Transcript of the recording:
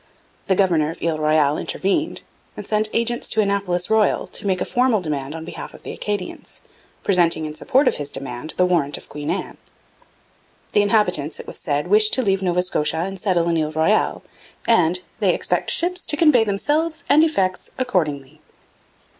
The governor of Ile Royale intervened, and sent agents to Annapolis Royal to make a formal demand on behalf of the Acadians, presenting in support of his demand the warrant of Queen Anne. The inhabitants, it was said, wished to leave Nova Scotia and settle in Ile Royale, and 'they expect ships to convey themselves and effects accordingly.'